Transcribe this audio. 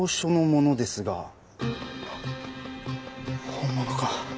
本物か。